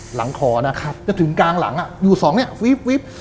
หลังคอนะครับจะถึงกลางหลังอยู่สองเนี่ยวิบ